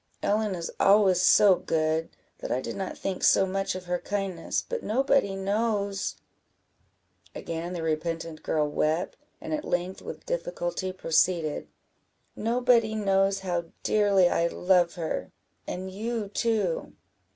Ellen is always so good, that I did not think so much of her kindness, but nobody knows " Again the repentant girl wept, and at length with difficulty proceeded "Nobody knows how dearly I love her, and you too."